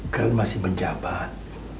girl masih menjabat